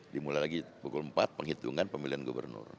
dimulai lagi pukul empat penghitungan pemilihan gubernur